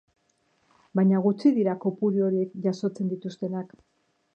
Baina gutxi dira kopuru horiek jasotzen dituztenak.